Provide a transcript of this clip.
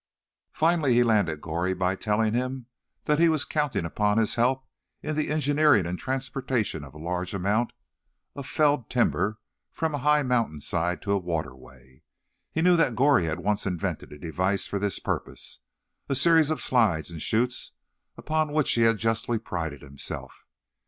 Finally he landed Goree by telling him he was counting upon his help in the engineering and transportation of a large amount of felled timber from a high mountain side to a waterway. He knew that Goree had once invented a device for this purpose—a series of slides and chutes upon which he had justly prided himself.